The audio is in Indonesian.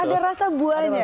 ada rasa buahnya